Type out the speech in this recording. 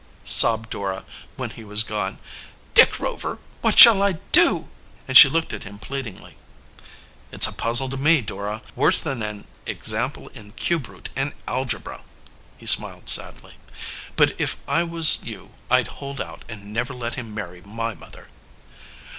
sobbed Dora, when he was gone. "Dick Rover, what shall I do?" and she looked at him pleadingly. "It's a puzzle to me, Dora worse than an example in cube root in algebra!" He smiled sadly. "But if I was you I'd hold out and never let him marry my mother."